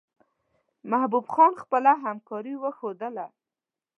محبوب خان خپله همکاري وښودله.